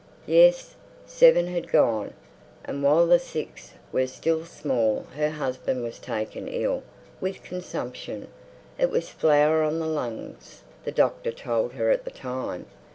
Yes, seven had gone, and while the six were still small her husband was taken ill with consumption. It was flour on the lungs, the doctor told her at the time....